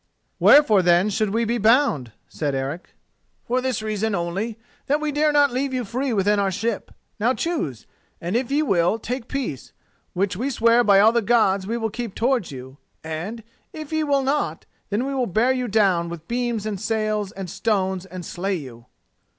"Wherefore then should we be bound?" said Eric. "For this reason only: that we dare not leave you free within our ship. Now choose, and, if ye will, take peace, which we swear by all the Gods we will keep towards you, and, if ye will not, then we will bear you down with beams and sails and stones, and slay you."